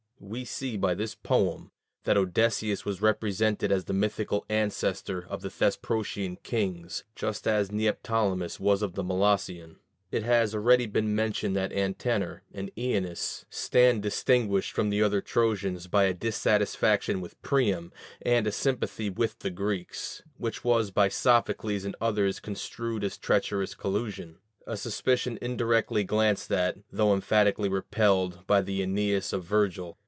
We see by this poem that Odysseus was represented as the mythical ancestor of the Thesprotian kings, just as Neoptolemus was of the Molossian. It has already been mentioned that Antenor and Æneas stand distinguished from the other Trojans by a dissatisfaction with Priam and a sympathy with the Greeks, which was by Sophocles and others construed as treacherous collusion, a suspicion indirectly glanced at, though emphatically repelled, by the Æneas of Vergil.